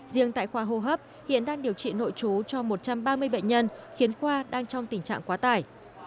riêng tại khoa hô hấp hiện đang điều trị nội trú cho một trăm ba mươi bệnh nhân khiến khoa đang trong tình trạng quá tải